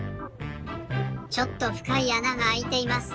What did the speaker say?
ちょっとふかいあながあいています。